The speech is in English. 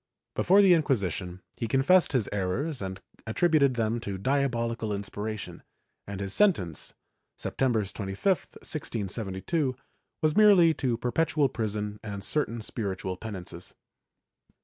Before the Inquisition he confessed his errors and attributed them to diabolical inspiration, and his sentence, Septem ber 25, 1672, was merely to perpetual prison and certain spiritual penances.